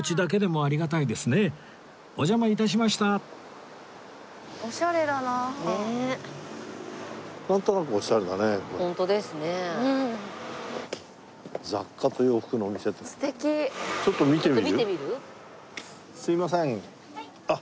あのすいません。